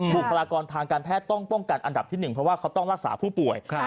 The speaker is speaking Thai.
บุคลากรทางการแพทย์ต้องป้องกันอันดับที่๑เพราะว่าเขาต้องรักษาผู้ป่วย